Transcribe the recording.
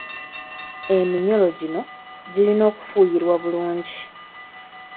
Eminyolo gino girina okufuuyirwa bulungi.